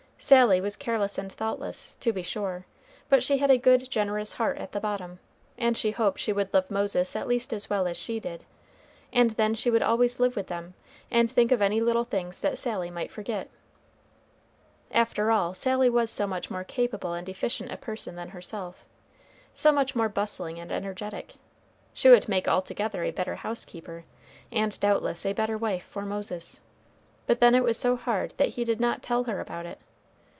Sally was careless and thoughtless, to be sure, but she had a good generous heart at the bottom, and she hoped she would love Moses at least as well as she did, and then she would always live with them, and think of any little things that Sally might forget. After all, Sally was so much more capable and efficient a person than herself, so much more bustling and energetic, she would make altogether a better housekeeper, and doubtless a better wife for Moses. But then it was so hard that he did not tell her about it.